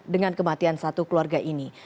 dengan kematian satu keluarga ini